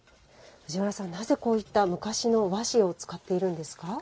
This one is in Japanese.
藤原さん、なぜこういった昔の和紙を使っているんですか。